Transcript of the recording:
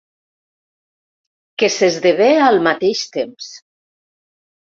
Que s'esdevé al mateix temps.